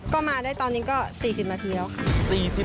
ก็มาได้ตอนนี้ก็๔๐นาทีแล้วค่ะ